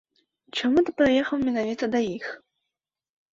Чаму ты паехаў менавіта да іх?